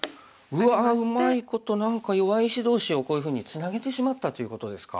うわうまいこと何か弱い石同士をこういうふうにツナげてしまったということですか？